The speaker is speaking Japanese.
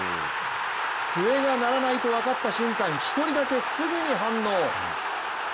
笛が鳴らないと分かった瞬間、１人だけすぐに反応。